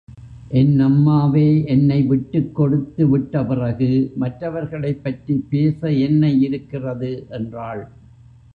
என் அம்மாவே என்னை விட்டுக் கொடுத்து விட்ட பிறகு மற்றவர்களைப் பற்றிப் பேச என்ன இருக்கிறது? என்றாள்.